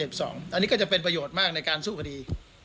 อันนี้ก็จะเป็นประโยชน์มากในการสู้คดี